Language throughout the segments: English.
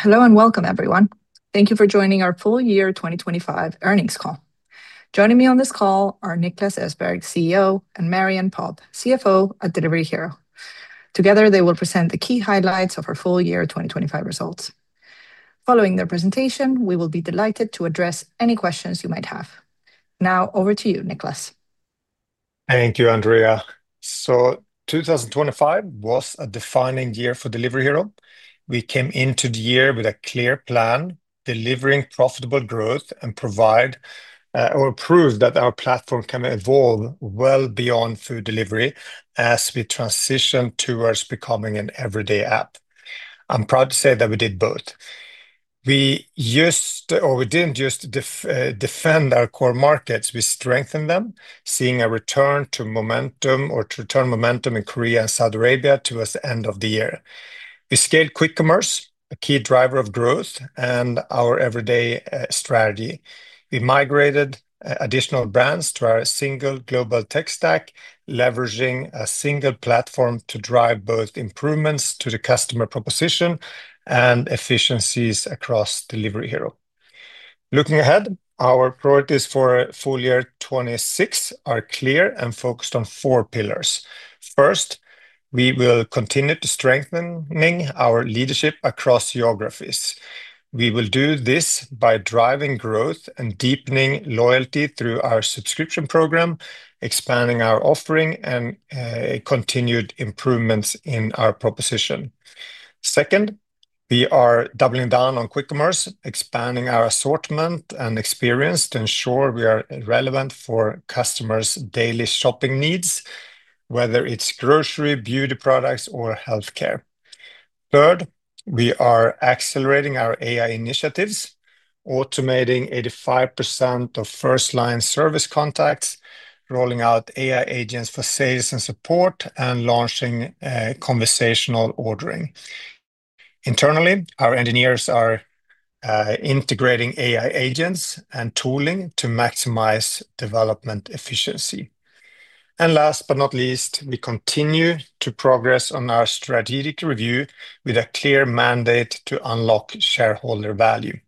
Hello and welcome, everyone. Thank you for joining our full year 2025 earnings call. Joining me on this call are Niklas Östberg, CEO, and Marie-Anne Popp, CFO at Delivery Hero. Together, they will present the key highlights of our full year 2025 results. Following their presentation, we will be delighted to address any questions you might have. Now, over to you, Niklas. Thank you, Andrea. 2025 was a defining year for Delivery Hero. We came into the year with a clear plan, delivering profitable growth and prove that our platform can evolve well beyond food delivery as we transition towards becoming an Everyday App. I'm proud to say that we did both. We didn't just defend our core markets, we strengthened them, seeing a return to momentum in Korea and Saudi Arabia towards the end of the year. We scaled Quick Commerce, a key driver of growth and our Everyday strategy. We migrated additional brands to our single global tech stack, leveraging a single platform to drive both improvements to the customer proposition and efficiencies across Delivery Hero. Looking ahead, our priorities for full year 2026 are clear and focused on four pillars. First, we will continue to strengthening our leadership across geographies. We will do this by driving growth and deepening loyalty through our subscription program, expanding our offering, and continued improvements in our proposition. Second, we are doubling down on quick commerce, expanding our assortment and experience to ensure we are relevant for customers' daily shopping needs, whether it's grocery, beauty products, or healthcare. Third, we are accelerating our AI initiatives, automating 85% of first-line service contacts, rolling out AI agents for sales and support, and launching conversational ordering. Internally, our engineers are integrating AI agents and tooling to maximize development efficiency. Last but not least, we continue to progress on our strategic review with a clear mandate to unlock shareholder value.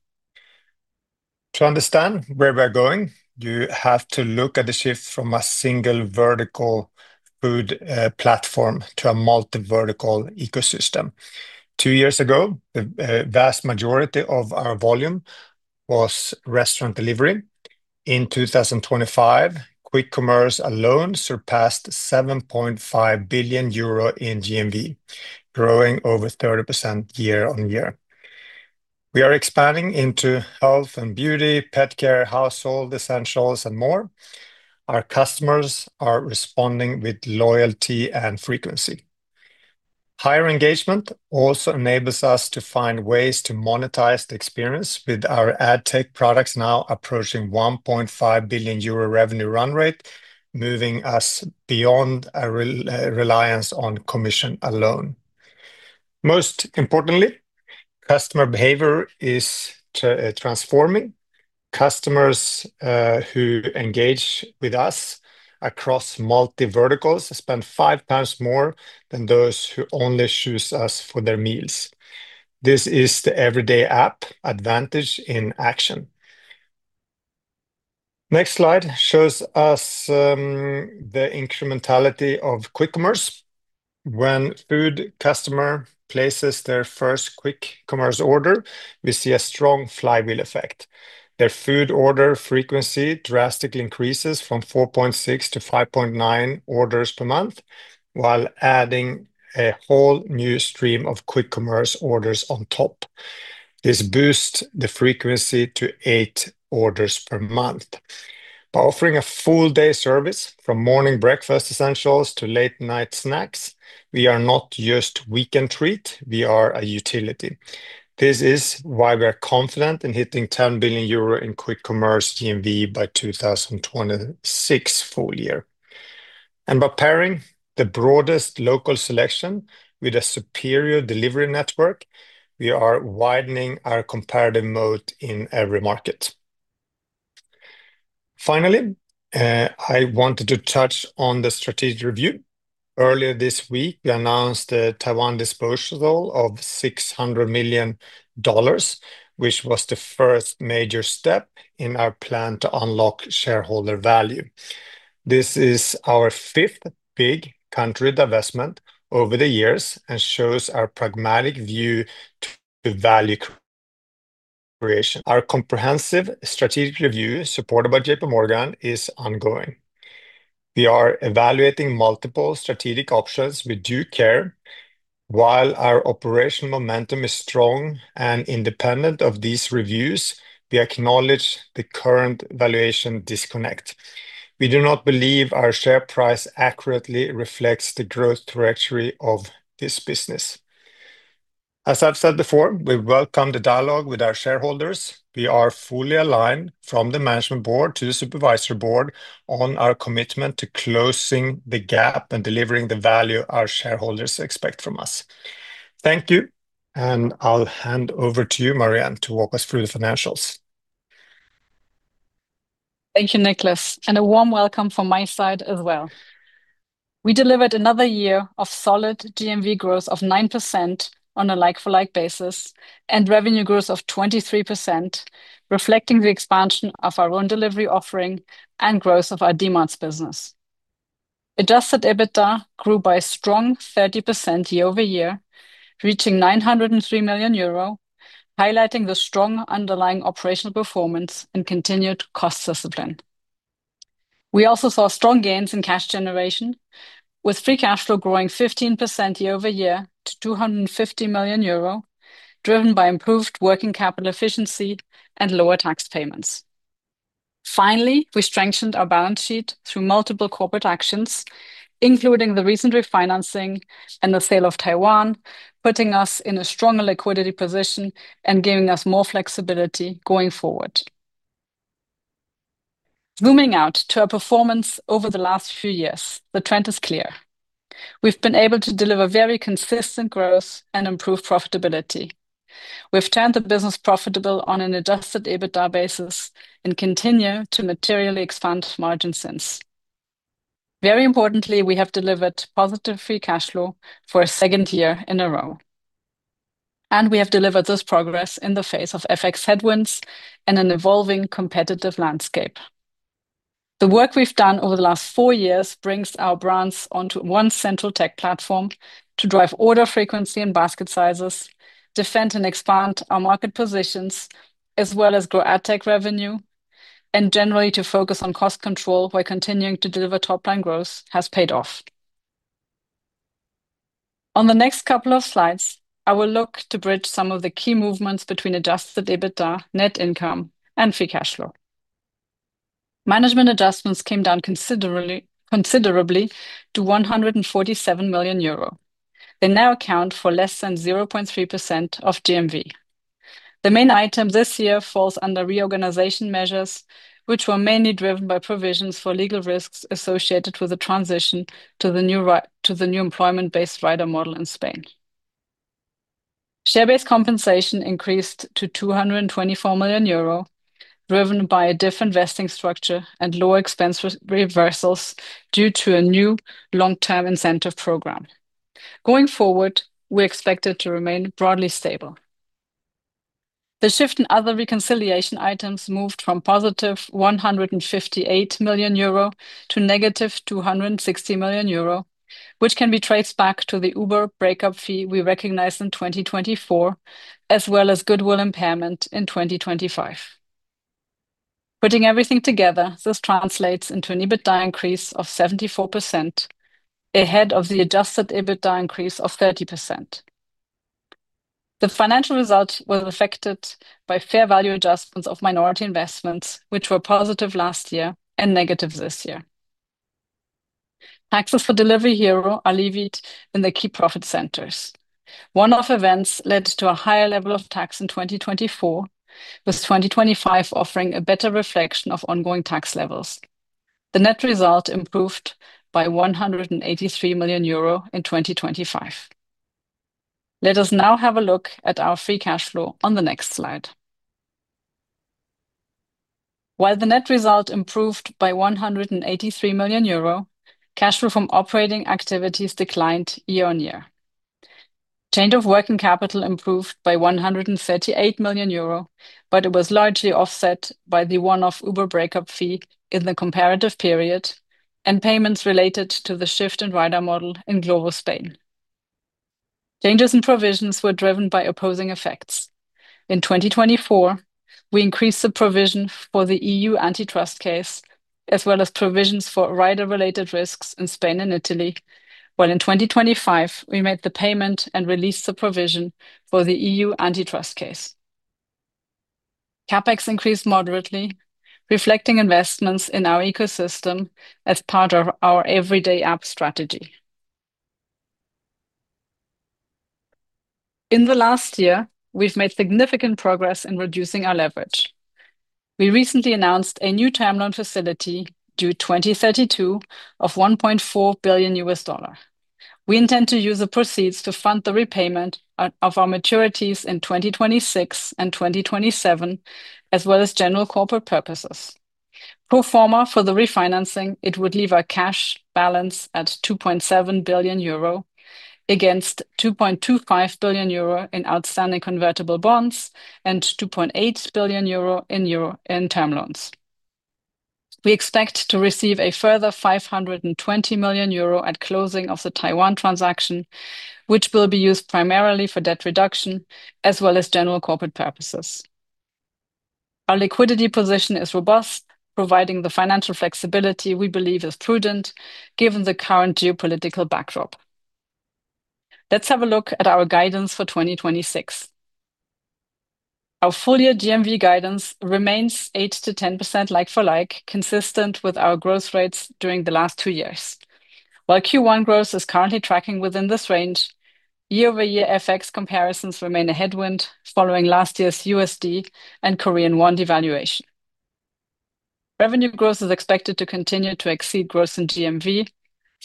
To understand where we're going, you have to look at the shift from a single vertical food platform to a multi-vertical ecosystem. Two years ago, the vast majority of our volume was restaurant delivery. In 2025, quick commerce alone surpassed 7.5 billion euro in GMV, growing over 30% year-on-year. We are expanding into health and beauty, pet care, household essentials, and more. Our customers are responding with loyalty and frequency. Higher engagement also enables us to find ways to monetize the experience with our AdTech products now approaching 1.5 billion euro revenue run rate, moving us beyond a reliance on commission alone. Most importantly, customer behavior is transforming. Customers who engage with us across multi verticals spend five times more than those who only choose us for their meals. This is the Everyday App advantage in action. Next slide shows us the incrementality of quick commerce. When a food customer places their first quick commerce order, we see a strong flywheel effect. Their food order frequency drastically increases from 4.6-5.9 orders per month while adding a whole new stream of quick commerce orders on top. This boosts the frequency to eight orders per month. By offering a full day service from morning breakfast essentials to late night snacks, we are not just a weekend treat, we are a utility. This is why we are confident in hitting 10 billion euro in quick commerce GMV by 2026 full year. By pairing the broadest local selection with a superior delivery network, we are widening our comparative moat in every market. Finally, I wanted to touch on the strategic review. Earlier this week, we announced the Taiwan disposal of $600 million, which was the first major step in our plan to unlock shareholder value. This is our fifth big country divestment over the years and shows our pragmatic view to value creation. Our comprehensive strategic review, supported by JPMorgan, is ongoing. We are evaluating multiple strategic options with due care. While our operational momentum is strong and independent of these reviews, we acknowledge the current valuation disconnect. We do not believe our share price accurately reflects the growth trajectory of this business. As I've said before, we welcome the dialogue with our shareholders. We are fully aligned from the management board to the supervisory board on our commitment to closing the gap and delivering the value our shareholders expect from us. Thank you. I'll hand over to you, Marie-Anne, to walk us through the financials. Thank you, Niklas. A warm welcome from my side as well. We delivered another year of solid GMV growth of 9% on a like-for-like basis, and revenue growth of 23%, reflecting the expansion of our own delivery offering and growth of our demand business. Adjusted EBITDA grew by a strong 30% year-over-year, reaching 903 million euro, highlighting the strong underlying operational performance and continued cost discipline. We also saw strong gains in cash generation, with Free Cash Flow growing 15% year-over-year to 250 million euro, driven by improved working capital efficiency and lower tax payments. Finally, we strengthened our balance sheet through multiple corporate actions, including the recent refinancing and the sale of Taiwan, putting us in a stronger liquidity position and giving us more flexibility going forward. Zooming out to our performance over the last few years, the trend is clear. We've been able to deliver very consistent growth and improve profitability. We've turned the business profitable on an adjusted EBITDA basis and continue to materially expand margin since. Very importantly, we have delivered positive Free Cash Flow for a second year in a row. We have delivered this progress in the face of FX headwinds and an evolving competitive landscape. The work we've done over the last four years brings our brands onto one central tech platform to drive order frequency and basket sizes, defend and expand our market positions, as well as grow our tech revenue, and generally to focus on cost control while continuing to deliver top line growth has paid off. On the next couple of slides, I will look to bridge some of the key movements between adjusted EBITDA, net income, and free cash flow. Management adjustments came down considerably to 147 million euro. They now account for less than 0.3% of GMV. The main item this year falls under reorganization measures, which were mainly driven by provisions for legal risks associated with the transition to the new employment-based rider model in Spain. Share-based compensation increased to 224 million euro, driven by a different vesting structure and lower expense reversals due to a new long-term incentive program. Going forward, we're expected to remain broadly stable. The shift in other reconciliation items moved from positive 158 million--260 million euro, which can be traced back to the Uber breakup fee we recognized in 2024, as well as goodwill impairment in 2025. Putting everything together, this translates into an EBITDA increase of 74% ahead of the adjusted EBITDA increase of 30%. The financial results were affected by fair value adjustments of minority investments, which were positive last year and negative this year. Taxes for Delivery Hero are levied in the key profit centers. One-off events led to a higher level of tax in 2024, with 2025 offering a better reflection of ongoing tax levels. The net result improved by 183 million euro in 2025. Let us now have a look at our Free Cash Flow on the next slide. While the net result improved by 183 million euro, cash flow from operating activities declined year-on-year. Change of working capital improved by 138 million euro, but it was largely offset by the one-off Uber breakup fee in the comparative period and payments related to the shift in rider model in Glovo Spain. Changes in provisions were driven by opposing effects. In 2024, we increased the provision for the EU antitrust case, as well as provisions for rider-related risks in Spain and Italy. While in 2025, we made the payment and released the provision for the EU antitrust case. CapEx increased moderately, reflecting investments in our ecosystem as part of our Everyday App strategy. In the last year, we've made significant progress in reducing our leverage. We recently announced a new term loan facility due 2032 of $1.4 billion. We intend to use the proceeds to fund the repayment of our maturities in 2026 and 2027, as well as general corporate purposes. Pro forma for the refinancing, it would leave our cash balance at 2.7 billion euro against 2.25 billion euro in outstanding convertible bonds and 2.8 billion euro in term loans. We expect to receive a further 520 million euro at closing of the Taiwan transaction, which will be used primarily for debt reduction as well as general corporate purposes. Our liquidity position is robust, providing the financial flexibility we believe is prudent given the current geopolitical backdrop. Let's have a look at our guidance for 2026. Our full-year GMV guidance remains 8%-10% like-for-like, consistent with our growth rates during the last two years. While Q1 growth is currently tracking within this range, year-over-year FX comparisons remain a headwind following last year's USD and Korean won devaluation. Revenue growth is expected to continue to exceed growth in GMV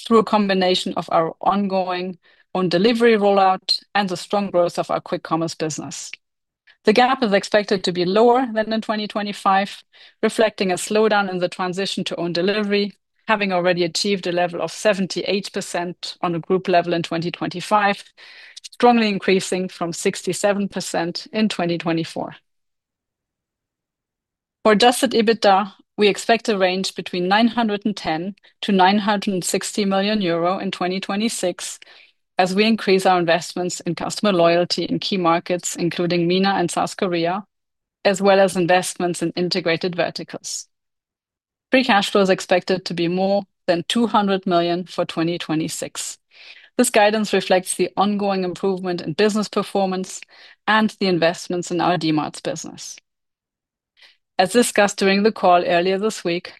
through a combination of our ongoing Own Delivery rollout and the strong growth of our Quick Commerce business. The gap is expected to be lower than in 2025, reflecting a slowdown in the transition to Own Delivery, having already achieved a level of 78% on a group level in 2025, strongly increasing from 67% in 2024. For adjusted EBITDA, we expect a range between 910 million-960 million euro in 2026 as we increase our investments in customer loyalty in key markets, including MENA and South Korea, as well as investments in Integrated Verticals. Free Cash Flow is expected to be more than 200 million for 2026. This guidance reflects the ongoing improvement in business performance and the investments in our Dmarts business. As discussed during the call earlier this week,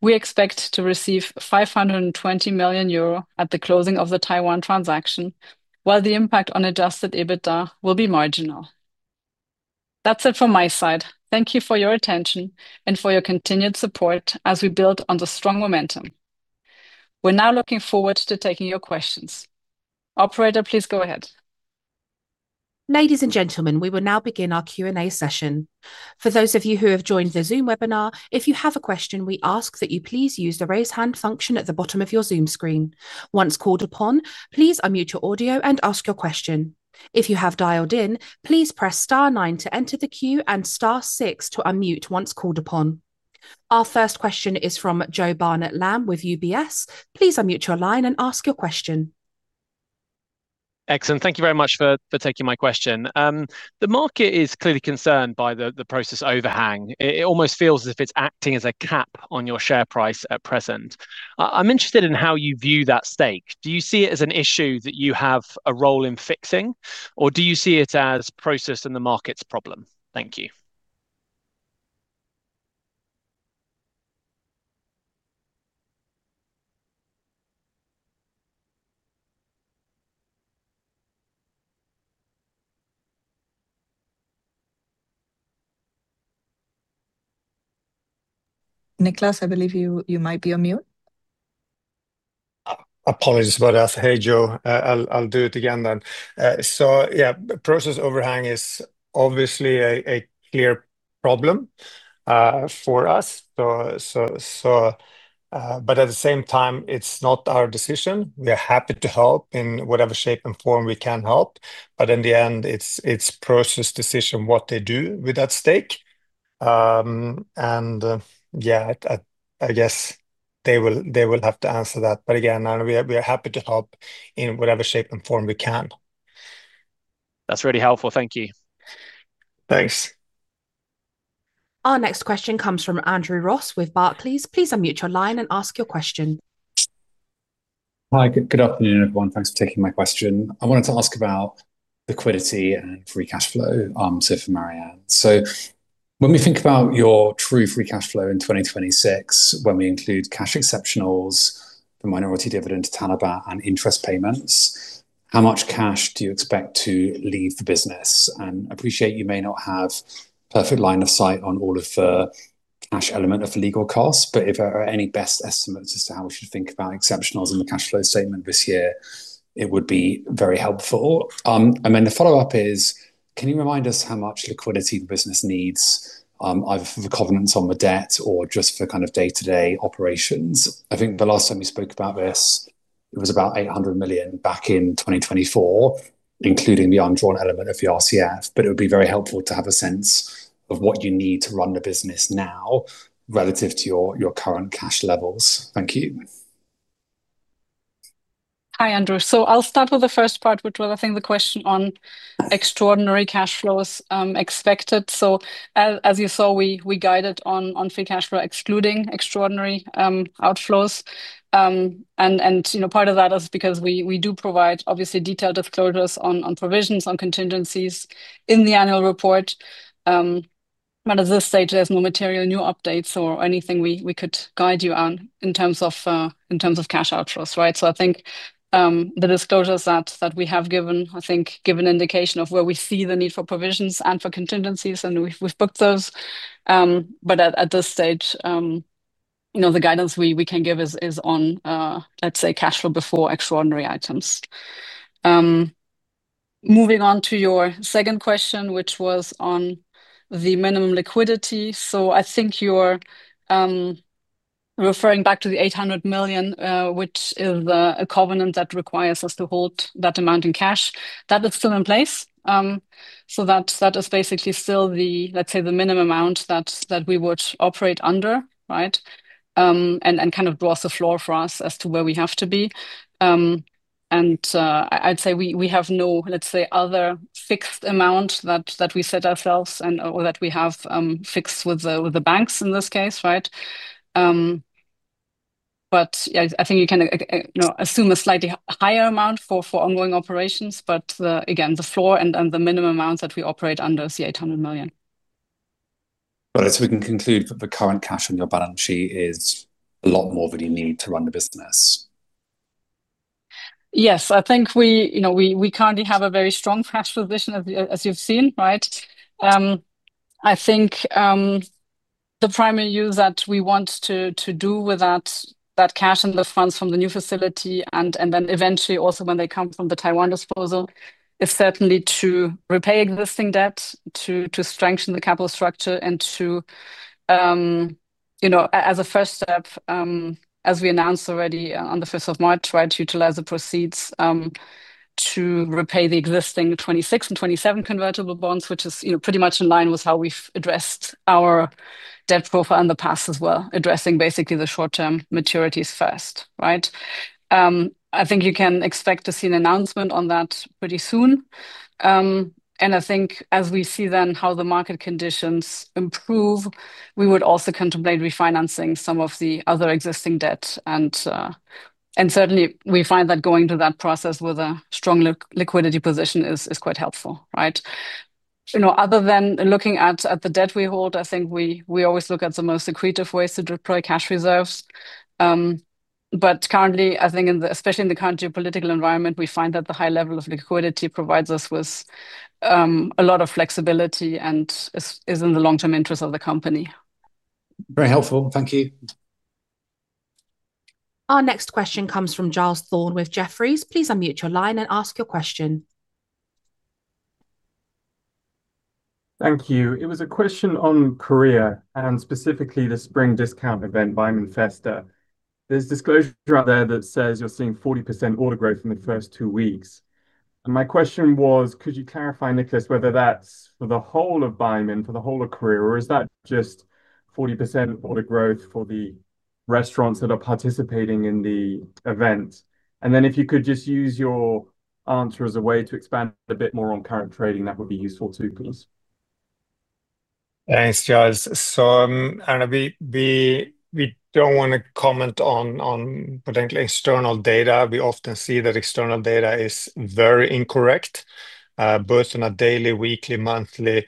we expect to receive 520 million euro at the closing of the Taiwan transaction, while the impact on adjusted EBITDA will be marginal. That's it from my side. Thank you for your attention and for your continued support as we build on the strong momentum. We're now looking forward to taking your questions. Operator, please go ahead. Ladies and gentlemen, we will now begin our Q&A session. For those of you who have joined the Zoom webinar, if you have a question, we ask that you please use the raise hand function at the bottom of your Zoom screen. Once called upon, please unmute your audio and ask your question. If you have dialed in, please press star nine to enter the queue and star six to unmute once called upon. Our first question is from Joe Barnet-Lamb with UBS. Please unmute your line and ask your question. Excellent. Thank you very much for taking my question. The market is clearly concerned by the Prosus overhang. It almost feels as if it's acting as a cap on your share price at present. I'm interested in how you view that stake. Do you see it as an issue that you have a role in fixing, or do you see it as Prosus and the market's problem? Thank you. Niklas, I believe you might be on mute. Apologies about that. Hey, Joe. I'll do it again then. Yeah, Prosus overhang is obviously a clear problem for us. At the same time, it's not our decision. We are happy to help in whatever shape and form we can help. In the end, it's Prosus decision what they do with that stake. Yeah, I guess they will have to answer that. Again, we are happy to help in whatever shape and form we can. That's really helpful. Thank you. Thanks. Our next question comes from Andrew Ross with Barclays. Please unmute your line and ask your question. Hi. Good afternoon, everyone. Thanks for taking my question. I wanted to ask about liquidity and free cash flow, so for Marie-Anne. When we think about your true free cash flow in 2026, when we include cash exceptionals, the minority dividend to Talabat and interest payments, how much cash do you expect to leave the business? I appreciate you may not have perfect line of sight on all of the cash element of the legal costs, but if there are any best estimates as to how we should think about exceptionals in the cash flow statement this year, it would be very helpful. The follow-up is, can you remind us how much liquidity the business needs, either for the covenants on the debt or just for kind of day-to-day operations? I think the last time you spoke about this, it was about 800 million back in 2024, including the undrawn element of your RCF. It would be very helpful to have a sense of what you need to run the business now relative to your current cash levels. Thank you. Hi, Andrew. I'll start with the first part, which was I think the question on extraordinary cash flows expected. As you saw, we guided on Free Cash Flow, excluding extraordinary outflows. You know, part of that is because we do provide obviously detailed disclosures on provisions, on contingencies in the annual report. At this stage, there's no material new updates or anything we could guide you on in terms of cash outflows, right? I think the disclosures that we have given, I think give an indication of where we see the need for provisions and for contingencies, and we've booked those. At this stage, you know, the guidance we can give is on let's say, cash flow before extraordinary items. Moving on to your second question, which was on the minimum liquidity. I think you're referring back to the 800 million, which is a covenant that requires us to hold that amount in cash. That is still in place. That is basically still the, let's say, the minimum amount that we would operate under, right? It kind of draws the floor for us as to where we have to be. I'd say we have no, let's say, other fixed amount that we set ourselves and/or that we have fixed with the banks in this case, right? Yeah, I think you can, you know, assume a slightly higher amount for ongoing operations. Again, the floor and the minimum amounts that we operate under is 800 million. We can conclude that the current cash on your balance sheet is a lot more than you need to run the business? Yes. I think we currently have a very strong cash position as you've seen, right? The primary use that we want to do with that cash and the funds from the new facility and then eventually also when they come from the Taiwan disposal is certainly to repay existing debt to strengthen the capital structure and to, as a first step, as we announced already on the 5th of March, to utilize the proceeds to repay the existing 2026 and 2027 convertible bonds, which is, you know, pretty much in line with how we've addressed our debt profile in the past as well, addressing basically the short-term maturities first, right? You can expect to see an announcement on that pretty soon. I think as we see then how the market conditions improve, we would also contemplate refinancing some of the other existing debt. Certainly we find that going to that process with a strong liquidity position is quite helpful, right? You know, other than looking at the debt we hold, I think we always look at the most accretive ways to deploy cash reserves. Currently, I think in the, especially in the current geopolitical environment, we find that the high level of liquidity provides us with a lot of flexibility and is in the long-term interest of the company. Very helpful. Thank you. Our next question comes from Giles Thorne with Jefferies. Please unmute your line and ask your question. Thank you. It was a question on Korea, and specifically the spring discount event, Baemin Festa. There's disclosure out there that says you're seeing 40% order growth in the first two weeks, and my question was, could you clarify, Niklas, whether that's for the whole of Baemin, for the whole of Korea, or is that just 40% order growth for the restaurants that are participating in the event? If you could just use your answer as a way to expand a bit more on current trading, that would be useful too, please. Thanks, Giles. We don't wanna comment on potentially external data. We often see that external data is very incorrect both on a daily, weekly, monthly.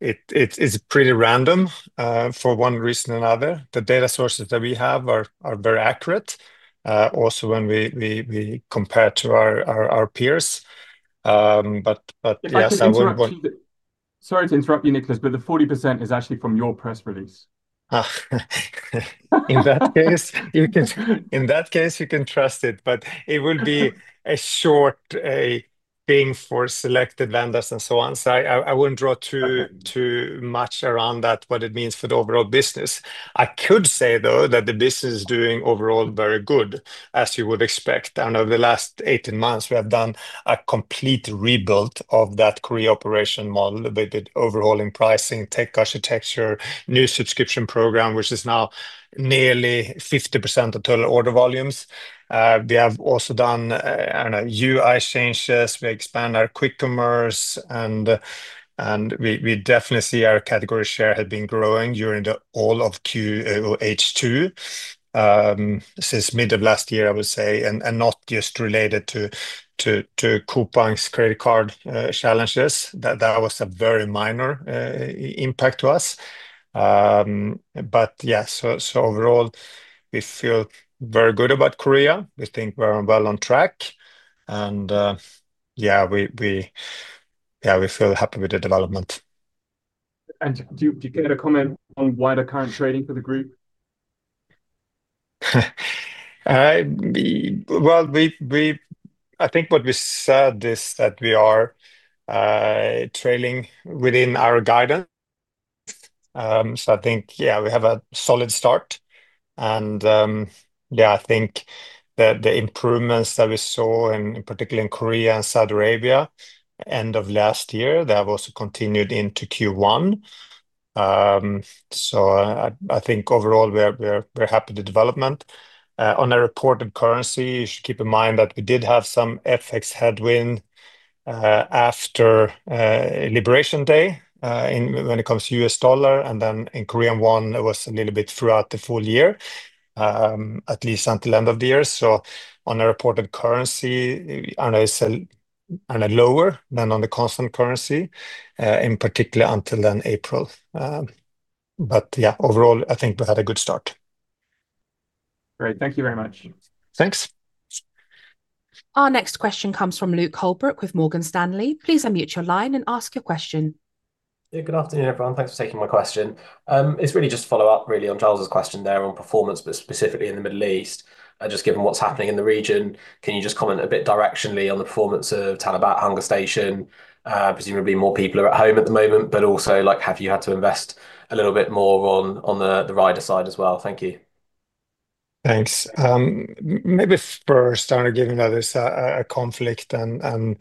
It's pretty random for one reason or another. The data sources that we have are very accurate also when we compare to our peers. But yes, I would. If I could interrupt you. Sorry to interrupt you, Niklas, but the 40% is actually from your press release. In that case, you can trust it, but it will be a short thing for selected vendors and so on. I wouldn't draw too much around that what it means for the overall business. I could say, though, that the business is doing overall very good, as you would expect. I know the last 18 months we have done a complete rebuild of that Korea operation model. We did overhauling pricing, tech architecture, new subscription program, which is now nearly 50% of total order volumes. We have also done, I don't know, UI changes. We expand our Quick Commerce and we definitely see our category share had been growing during all of Q2 or H2 since mid of last year, I would say, and not just related to Coupang's credit card impact to us. Overall we feel very good about Korea. We think we're well on track and yeah we feel happy with the development. Do you care to comment on wider current trading for the group? I think what we said is that we are trailing within our guidance. I think we have a solid start. I think the improvements that we saw in, particularly in Korea and Saudi Arabia end of last year, they have also continued into Q1. I think overall we're happy with the development. On a reported currency, you should keep in mind that we did have some FX headwind after Liberation Day, when it comes to US dollar, and then in Korean won, it was a little bit throughout the full year, at least until end of the year. On a reported currency, I know it's a, on a lower than on the constant currency, in particular until then April. Yeah, overall I think we've had a good start. Great. Thank you very much. Thanks. Our next question comes from Luke Holbrook with Morgan Stanley. Please unmute your line and ask your question. Yeah, good afternoon, everyone. Thanks for taking my question. It's really just to follow up really on Giles's question there on performance, but specifically in the Middle East. Just given what's happening in the region, can you just comment a bit directionally on the performance of Talabat, HungerStation? Presumably more people are at home at the moment, but also, like, have you had to invest a little bit more on the rider side as well? Thank you. Thanks. Maybe first starting with that is a conflict and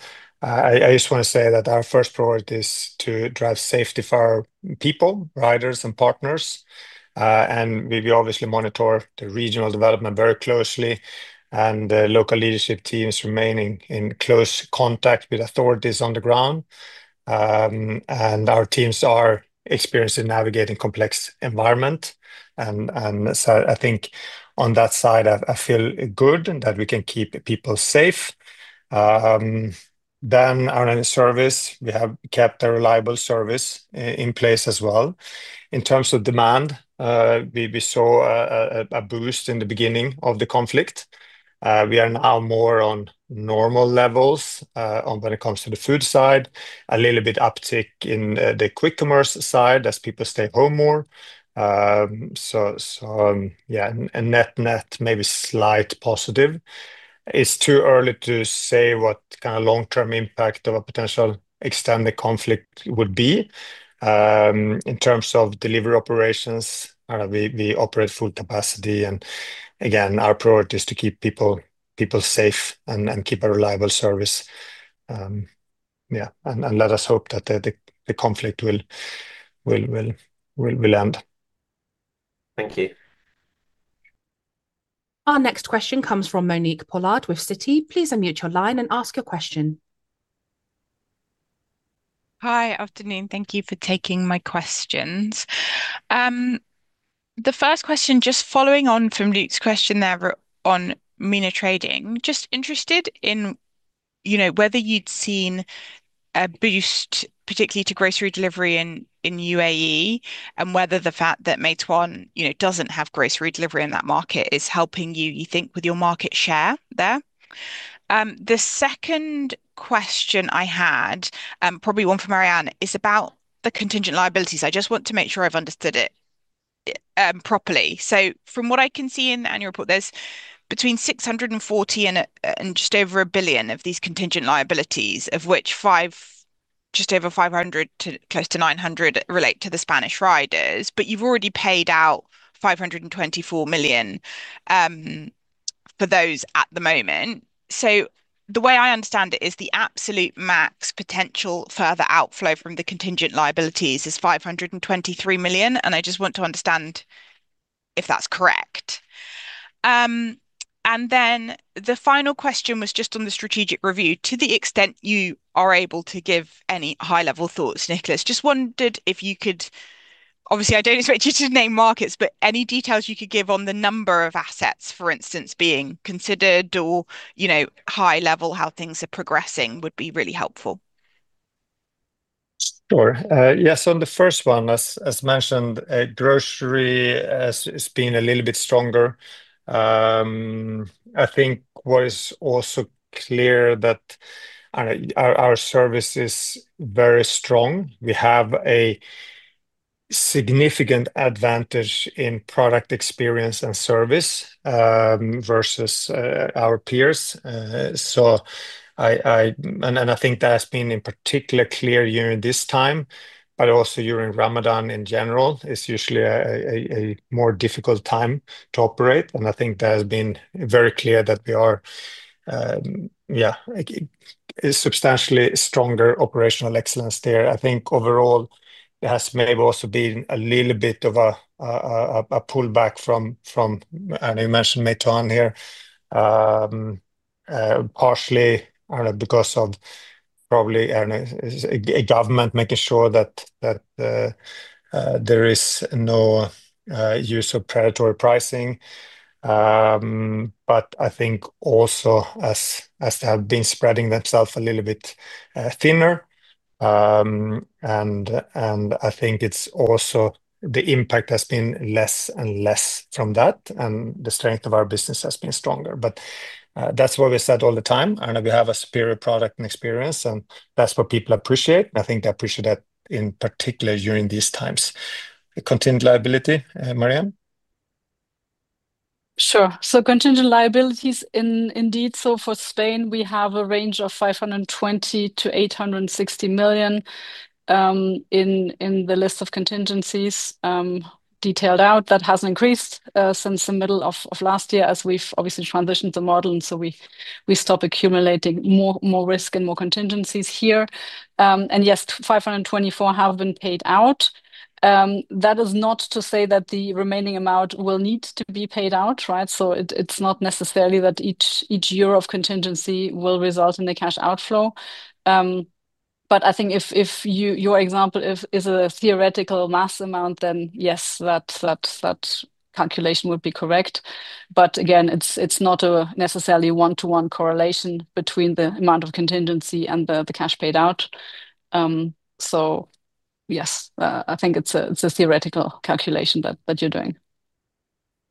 I just want to say that our first priority is to drive safety for our people, riders and partners. We obviously monitor the regional development very closely and the local leadership teams remaining in close contact with authorities on the ground. Our teams are experienced in navigating complex environment. I think on that side I feel good that we can keep people safe. On our service, we have kept a reliable service in place as well. In terms of demand, we saw a boost in the beginning of the conflict. We are now more or less on normal levels when it comes to the food side. A little bit uptick in the Quick Commerce side as people stay home more. Yeah, and net-net may be slight positive. It's too early to say what kind of long-term impact of a potential extended conflict would be. In terms of delivery operations, we operate full capacity and again, our priority is to keep people safe and keep a reliable service. Yeah. Let us hope that the conflict will end. Thank you. Our next question comes from Monique Pollard with Citi. Please unmute your line and ask your question. Hi. Afternoon. Thank you for taking my questions. The first question, just following on from Luke's question there on MENA trading, just interested in, you know, whether you'd seen a boost particularly to grocery delivery in UAE and whether the fact that Meituan, you know, doesn't have grocery delivery in that market is helping you think, with your market share there? The second question I had, probably one for Marie-Anne, is about the contingent liabilities. I just want to make sure I've understood it properly. From what I can see in the annual report, there's between 640 million and just over 1 billion of these contingent liabilities, of which just over 500 million to close to 900 million relate to the Spanish riders. You've already paid out 524 million for those at the moment. The way I understand it is the absolute max potential further outflow from the contingent liabilities is 523 million, and I just want to understand if that's correct. Then the final question was just on the strategic review. To the extent you are able to give any high-level thoughts, Niklas, just wondered if you could. Obviously, I don't expect you to name markets, but any details you could give on the number of assets, for instance, being considered or, you know, high level, how things are progressing, would be really helpful. Sure. Yes, on the first one, as mentioned, grocery has been a little bit stronger. I think what is also clear that our service is very strong. We have a significant advantage in product experience and service versus our peers. So I think that's been in particular clear during this time, but also during Ramadan in general. It's usually a more difficult time to operate, and I think that has been very clear that we are a substantially stronger operational excellence there. I think overall it has maybe also been a little bit of a pullback from, and you mentioned Meituan here, partially I don't know because of probably I don't know a government making sure that that there is no use of predatory pricing. I think also as they have been spreading themselves a little bit thinner, and I think it's also the impact has been less and less from that, and the strength of our business has been stronger. That's what we said all the time, and we have a superior product and experience, and that's what people appreciate, and I think they appreciate that in particular during these times. The contingent liability, Marie-Anne? Sure. Contingent liabilities, indeed, for Spain we have a range of 520 million-860 million in the list of contingencies detailed out. That has increased since the middle of last year as we've obviously transitioned the model, and we've stopped accumulating more risk and more contingencies here. Yes, 524 million have been paid out. That is not to say that the remaining amount will need to be paid out, right? It's not necessarily that each year of contingency will result in a cash outflow. I think if your example is a theoretical max amount, then yes, that calculation would be correct. Again, it's not necessarily one-to-one correlation between the amount of contingency and the cash paid out. Yes, I think it's a theoretical calculation that you're doing.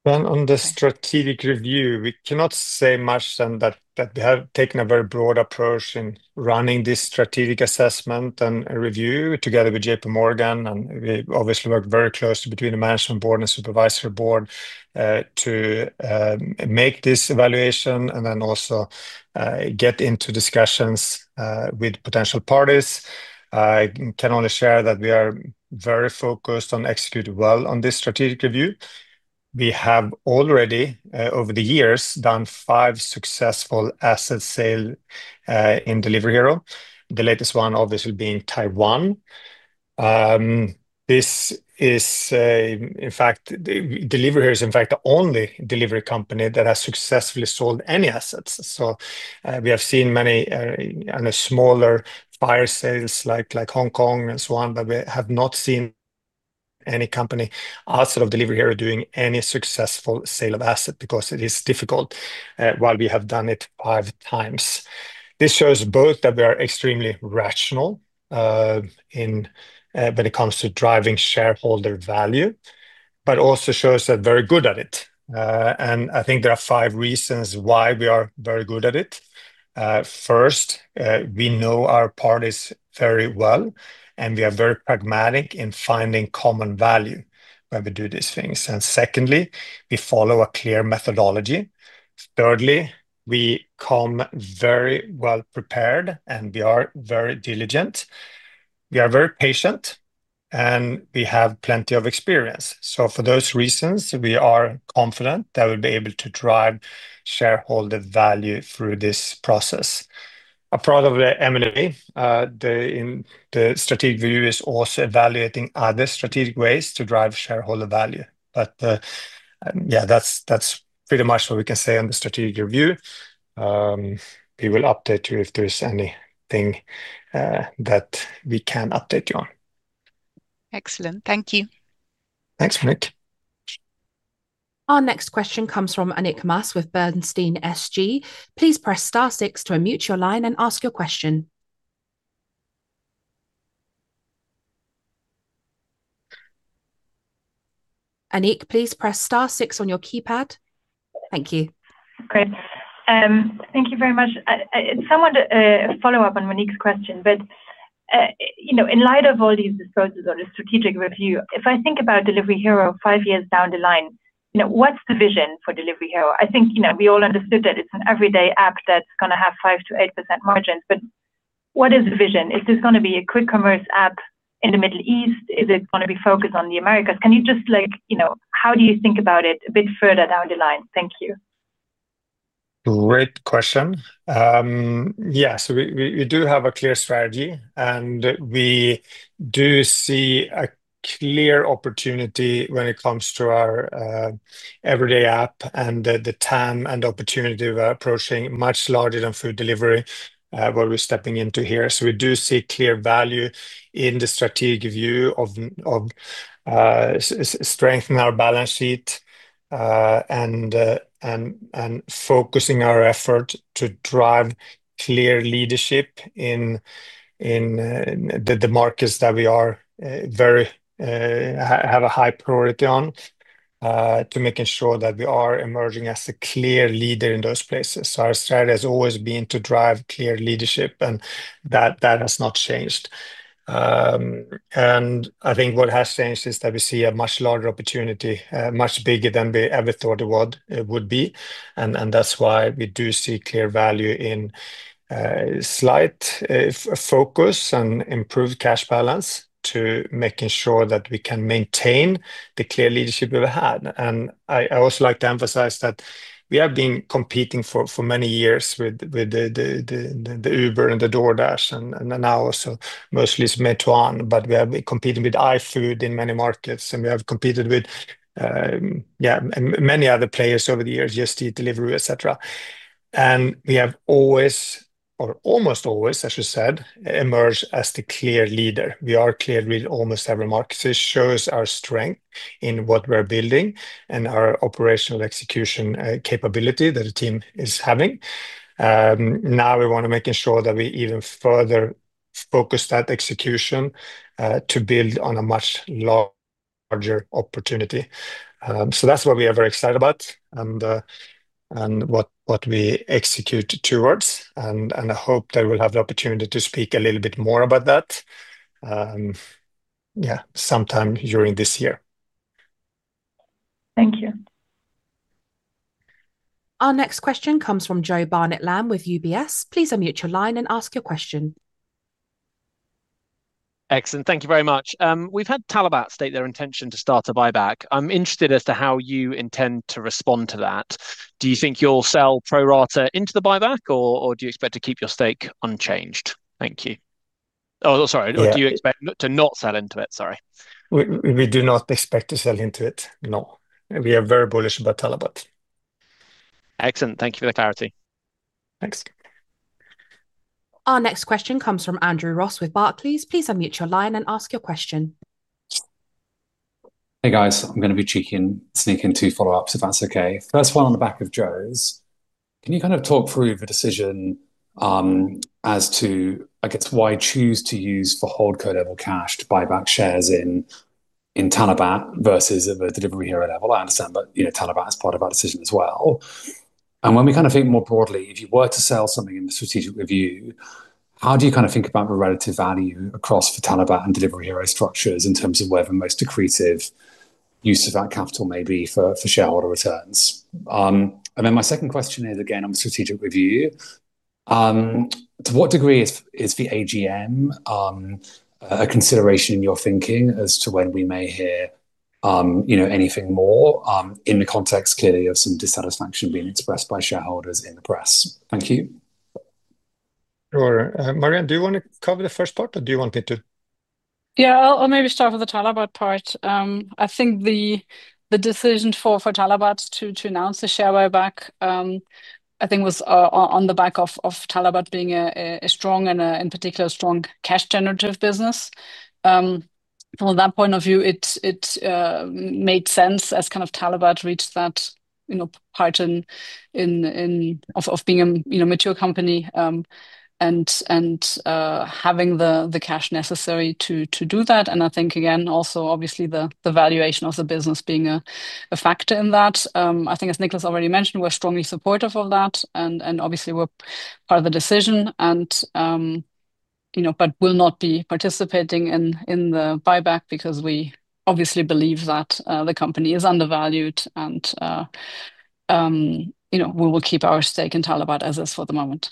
On the strategic review, we cannot say more than that we have taken a very broad approach in running this strategic assessment and review together with JPMorgan, and we obviously work very closely between the management board and supervisory board to make this evaluation and then also get into discussions with potential parties. I can only share that we are very focused on executing well on this strategic review. We have already over the years done five successful asset sales in Delivery Hero. The latest one obviously being Taiwan. Delivery Hero is in fact the only delivery company that has successfully sold any assets. We have seen many, you know, smaller buyer sales like Hong Kong and so on, but we have not seen any company outside of Delivery Hero doing any successful sale of asset because it is difficult, while we have done it five times. This shows both that we are extremely rational when it comes to driving shareholder value, but also shows we're very good at it. I think there are five reasons why we are very good at it. First, we know our parties very well, and we are very pragmatic in finding common value when we do these things. Secondly, we follow a clear methodology. Thirdly, we come very well prepared, and we are very diligent. We are very patient, and we have plenty of experience. For those reasons, we are confident that we'll be able to drive shareholder value through this process. Apart from the M&A, the strategic review is also evaluating other strategic ways to drive shareholder value. That's pretty much what we can say on the strategic review. We will update you if there's anything that we can update you on. Excellent. Thank you. Thanks, Monique. Our next question comes from Annick Maas with Bernstein SG. Please press star six to unmute your line and ask your question. Annick, please press star six on your keypad. Thank you. Great. Thank you very much. It's somewhat a follow-up on Monique's question. You know, in light of all these discourses on the strategic review, if I think about Delivery Hero five years down the line, you know, what's the vision for Delivery Hero? I think, you know, we all understood that it's an everyday app that's gonna have 5%-8% margins. What is the vision? Is this gonna be a quick commerce app in the Middle East? Is it gonna be focused on the Americas? Can you just like, you know, how do you think about it a bit further down the line? Thank you. Great question. Yeah, we do have a clear strategy, and we do see a clear opportunity when it comes to our Everyday App and the TAM and opportunity we're approaching much larger than food delivery, where we're stepping into here. We do see clear value in the strategic view of strengthening our balance sheet and focusing our effort to drive clear leadership in the markets that we have a very high priority on to making sure that we are emerging as the clear leader in those places. Our strategy has always been to drive clear leadership, and that has not changed. I think what has changed is that we see a much larger opportunity, much bigger than we ever thought it would be. That's why we do see clear value in slight focus and improved cash balance to making sure that we can maintain the clear leadership we've had. I also like to emphasize that we have been competing for many years with the Uber and the DoorDash and now also mostly it's Meituan, but we have been competing with iFood in many markets, and we have competed with many other players over the years, Just Eat, Delivery, et cetera. We have always or almost always, as you said, emerged as the clear leader. We are clear leader in almost every market. This shows our strength in what we're building and our operational execution capability that the team is having. Now we want to make sure that we even further focus that execution to build on a much larger opportunity. That's what we are very excited about and what we execute towards. I hope that we'll have the opportunity to speak a little bit more about that sometime during this year. Thank you. Our next question comes from Joe Barnet-Lamb with UBS. Please unmute your line and ask your question. Excellent. Thank you very much. We've had Talabat state their intention to start a buyback. I'm interested as to how you intend to respond to that. Do you think you'll sell pro rata into the buyback, or do you expect to keep your stake unchanged? Thank you. Oh, sorry. Yeah. Do you expect not to sell into it? Sorry. We do not expect to sell into it, no. We are very bullish about Talabat. Excellent. Thank you for the clarity. Thanks. Our next question comes from Andrew Ross with Barclays. Please unmute your line and ask your question. Hey, guys. I'm gonna be cheeky and sneak in two follow-ups, if that's okay. First one on the back of Joe's. Can you kind of talk through the decision, as to, I guess, why choose to use holdco-level cash to buy back shares in Talabat versus at the Delivery Hero level? I understand that, you know, Talabat is part of our decision as well. When we kind of think more broadly, if you were to sell something in the strategic review, how do you kind of think about the relative value across for Talabat and Delivery Hero structures in terms of where the most accretive use of that capital may be for shareholder returns? My second question is, again, on the strategic review. To what degree is the AGM a consideration in your thinking as to when we may hear, you know, anything more in the context clearly of some dissatisfaction being expressed by shareholders in the press? Thank you. Sure. Marie-Anne, do you wanna cover the first part, or do you want me to? Yeah. I'll maybe start with the Talabat part. I think the decision for Talabat to announce the share buyback, I think was on the back of Talabat being a strong and, in particular, strong cash generative business. From that point of view, it made sense as kind of Talabat reached that, you know, part of being a mature company, and having the cash necessary to do that. I think, again, also obviously the valuation of the business being a factor in that. I think as Niklas already mentioned, we're strongly supportive of that and obviously we're part of the decision and, you know, but will not be participating in the buyback because we obviously believe that the company is undervalued and, you know, we will keep our stake in Talabat as is for the moment.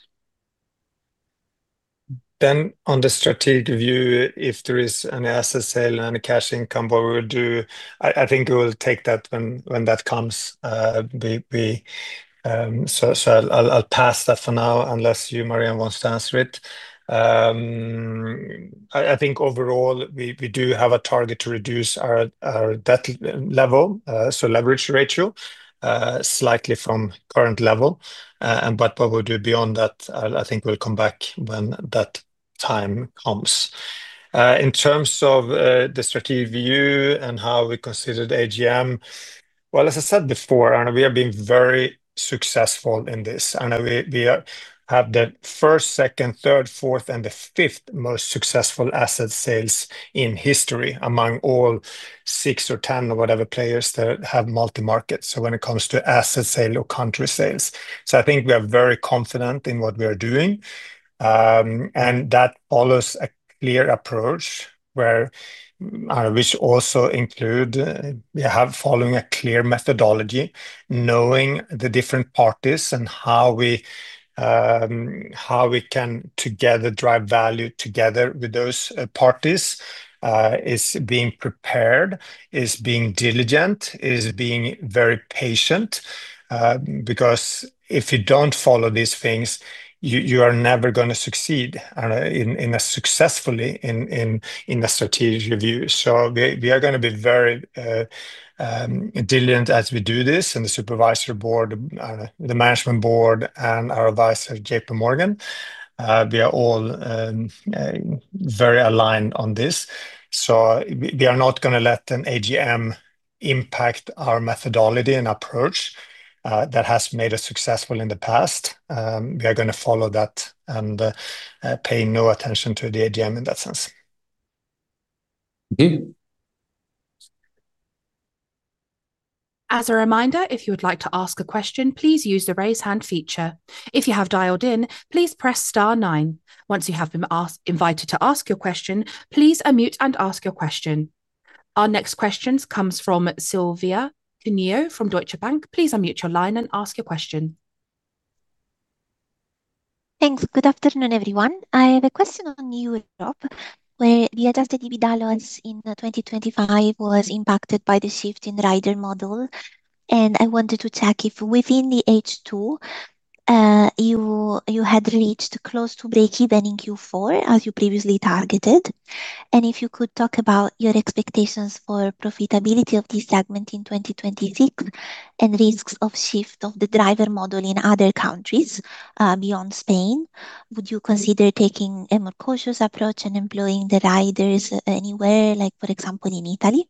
On the strategic view, if there is an asset sale and a cash income, what we will do, I think we will take that when that comes. I'll pass that for now, unless you, Marie-Anne, wants to answer it. I think overall we do have a target to reduce our debt level, so leverage ratio, slightly from current level. But what we'll do beyond that, I think we'll come back when that time comes. In terms of the strategic view and how we considered AGM, well, as I said before, and we have been very successful in this, and we are. Have the first, second, third, fourth and the fifth most successful asset sales in history among all six or ten or whatever players that have multi-market, when it comes to asset sale or country sales. I think we are very confident in what we are doing, and that follows a clear approach, we have following a clear methodology, knowing the different parties and how we can together drive value together with those parties, is being prepared, is being diligent, is being very patient. Because if you don't follow these things, you are never gonna succeed and in a successful strategic review. We are gonna be very diligent as we do this, and the supervisory board, the management board and our advisor, JPMorgan, we are all very aligned on this. We are not gonna let an AGM impact our methodology and approach that has made us successful in the past. We are gonna follow that and pay no attention to the AGM in that sense. Okay. As a reminder, if you would like to ask a question, please use the raise hand feature. If you have dialed in, please press star nine. Once you have been invited to ask your question, please unmute and ask your question. Our next question comes from Silvia Cuneo from Deutsche Bank. Please unmute your line and ask your question. Thanks. Good afternoon, everyone. I have a question on Europe, where the adjusted EBITDA loss in 2025 was impacted by the shift in rider model. I wanted to check if within the H2, you had reached close to breakeven in Q4 as you previously targeted. If you could talk about your expectations for profitability of this segment in 2026 and risks of shift of the rider model in other countries, beyond Spain. Would you consider taking a more cautious approach in employing the riders anywhere, like, for example, in Italy?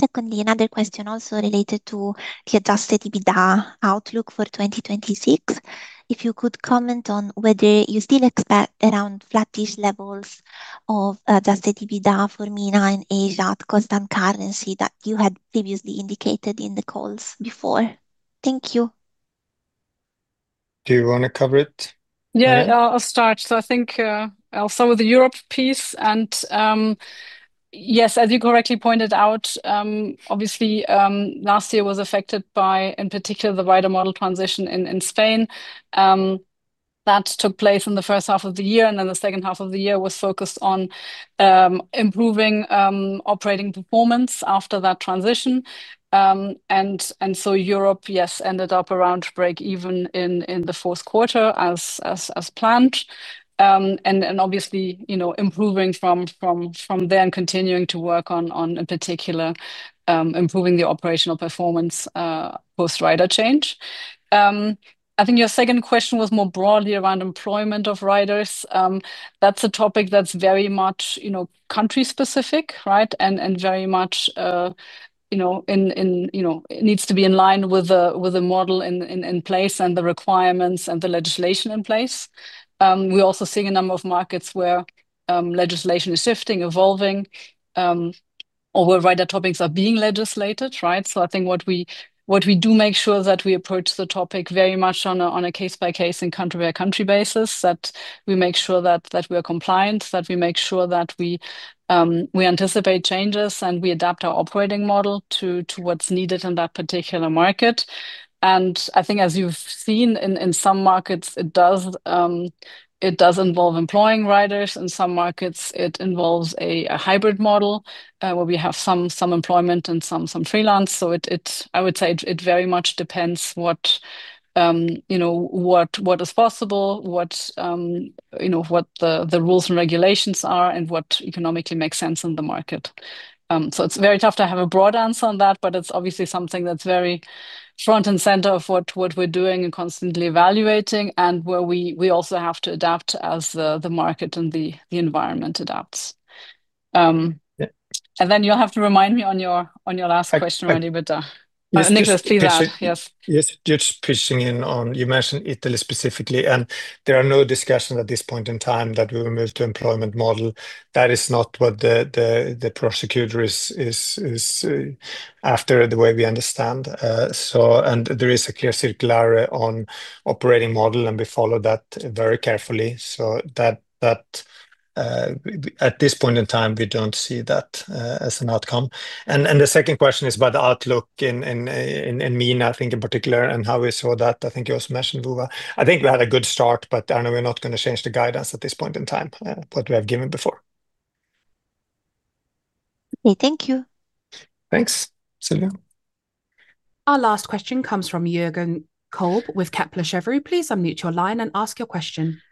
Secondly, another question also related to the adjusted EBITDA outlook for 2026. If you could comment on whether you still expect around flattish levels of adjusted EBITDA for MENA and Asia at constant currency that you had previously indicated in the calls before. Thank you. Do you wanna cover it, Marie-Anne? Yeah, I'll start. I think I'll start with the Europe piece and, yes, as you correctly pointed out, obviously, last year was affected by, in particular, the rider model transition in Spain, that took place in the first half of the year, and then the second half of the year was focused on improving operating performance after that transition. Europe, yes, ended up around breakeven in the fourth quarter as planned. Obviously, you know, improving from then continuing to work on in particular improving the operational performance post rider change. I think your second question was more broadly around employment of riders. That's a topic that's very much, you know, country specific, right? Very much, you know, in. You know, it needs to be in line with the model in place and the requirements and the legislation in place. We're also seeing a number of markets where legislation is shifting, evolving, or where rider topics are being legislated, right? I think what we do make sure that we approach the topic very much on a case by case and country by country basis, that we make sure that we are compliant, that we make sure that we anticipate changes and we adapt our operating model to what's needed in that particular market. I think as you've seen in some markets, it does involve employing riders. In some markets it involves a hybrid model, where we have some employment and some freelance. I would say it very much depends what you know what is possible what you know what the rules and regulations are and what economically makes sense in the market. It's very tough to have a broad answer on that, but it's obviously something that's very front and center of what we're doing and constantly evaluating and where we also have to adapt as the market and the environment adapts. Yeah. You'll have to remind me on your last question on EBITDA. I. Niklas, please ask. Yes. Yes. Just pitching in on, you mentioned Italy specifically, and there are no discussions at this point in time that we will move to employment model. That is not what the prosecutor is after the way we understand. So, and there is a clear circular on operating model, and we follow that very carefully so that at this point in time, we don't see that as an outcome. The second question is about the outlook in MENA, I think in particular, and how we saw that. I think it was mentioned, Uva. I think we had a good start, but I know we're not gonna change the guidance at this point in time what we have given before. Okay, thank you. Thanks, Silvia. Our last question comes from Jürgen Kolb with Kepler Cheuvreux. Please unmute your line and ask your question.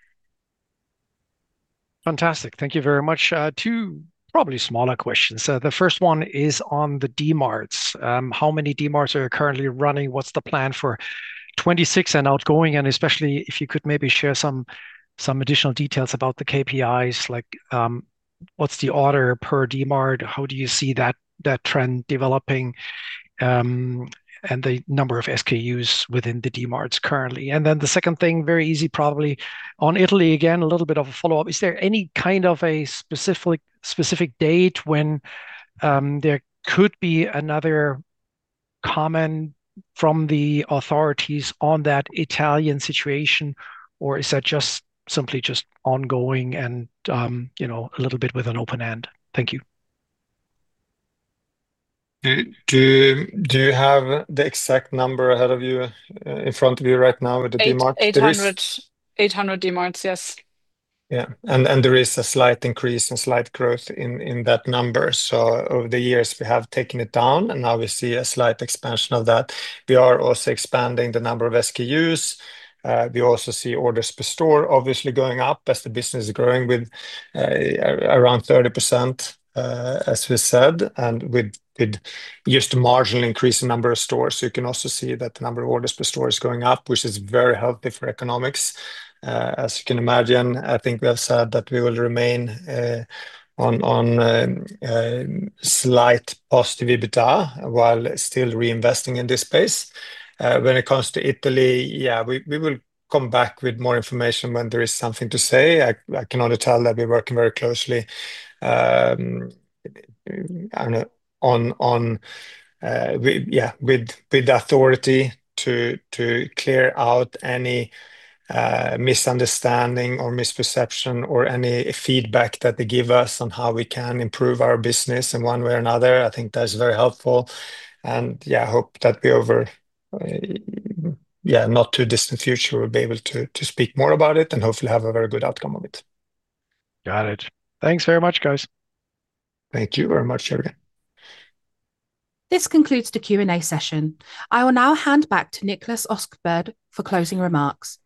Fantastic. Thank you very much. Two probably smaller questions. The first one is on the DMarts. How many DMarts are currently running? What's the plan for 2026 and ongoing? And especially if you could maybe share some additional details about the KPIs, like, what's the order per DMart? How do you see that trend developing, and the number of SKUs within the DMarts currently. And then the second thing, very easy probably, on Italy, again, a little bit of a follow-up. Is there any kind of a specific date when there could be another comment from the authorities on that Italian situation? Or is that simply ongoing and, you know, a little bit with an open end? Thank you. Do you have the exact number ahead of you in front of you right now with the Dmarts? 800 Dmarts, yes. There is a slight increase and slight growth in that number. Over the years, we have taken it down, and now we see a slight expansion of that. We are also expanding the number of SKUs. We also see orders per store obviously going up as the business is growing with around 30%, as we said. We did just marginally increased the number of stores. You can also see that the number of orders per store is going up, which is very healthy for economics. As you can imagine, I think we have said that we will remain on slight positive EBITDA while still reinvesting in this space. When it comes to Italy, we will come back with more information when there is something to say. I can only tell that we're working very closely, I don't know on with the authority to clear out any misunderstanding or misperception or any feedback that they give us on how we can improve our business in one way or another. I think that is very helpful. I hope that be over not too distant future, we'll be able to speak more about it and hopefully have a very good outcome of it. Got it. Thanks very much, guys. Thank you very much, Jürgen. This concludes the Q&A session. I will now hand back to Niklas Östberg for closing remarks.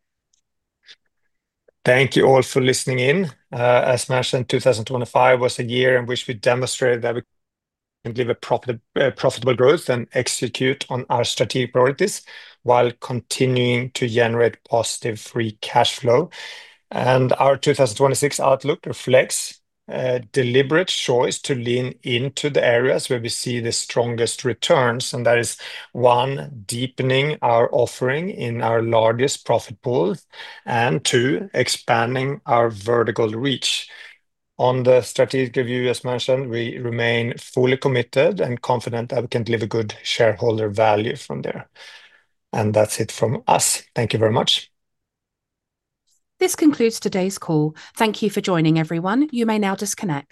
Thank you all for listening in. As mentioned, 2025 was a year in which we demonstrated that we can deliver profitable growth and execute on our strategic priorities while continuing to generate positive Free Cash Flow. Our 2026 outlook reflects a deliberate choice to lean into the areas where we see the strongest returns. That is, one, deepening our offering in our largest profit pools and, two, expanding our vertical reach. On the strategic review, as mentioned, we remain fully committed and confident that we can deliver good shareholder value from there. That's it from us. Thank you very much. This concludes today's call. Thank you for joining, everyone. You may now disconnect.